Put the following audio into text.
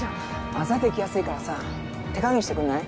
あざ出来やすいからさ手加減してくんない？